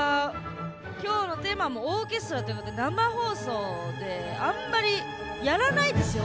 今日のテーマは「オーケストラ」ということであんまり、やらないですよ